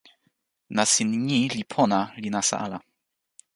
nasin ni li pona li nasa ala.